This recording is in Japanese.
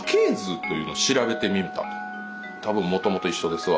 多分もともと一緒ですわ。